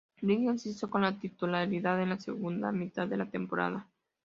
Bridge se hizo con la titularidad en la segunda mitad de la temporada.